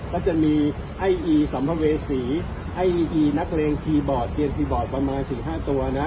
แล้วจะมีไออีศะมเวษีไออีศะมเวษีนักเริงทีบอร์ดเรียนทีบอร์ดประมาณถึง๕ตัวนะ